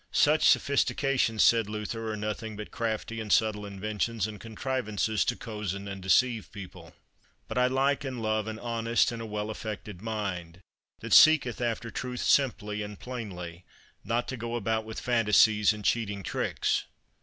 Such sophistications, said Luther, are nothing but crafty and subtle inventions and contrivances to cozen and deceive people. But I like and love an honest and a well affected mind, that seeketh after truth simply and plainly, not to go about with phantasies and cheating tricks.